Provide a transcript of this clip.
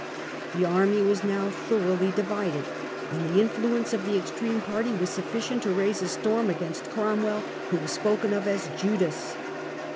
The army was now thoroughly divided, and the influence of the extreme party was sufficient to raise a storm against Cromwell, who was spoken of as "Judas".